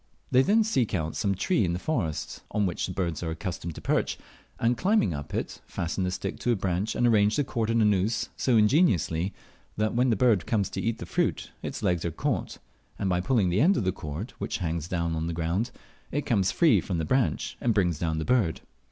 They then seep out some tree in the forest on which these birds are accustomed to perch, and climbing up it fasten the stick to a branch and arrange the cord in a noose so ingeniously, that when the bird comes to eat the fruit its legs are caught, and by pulling the end of the cord, which hangs down to the ground, it comes free from the branch and brings down the bird.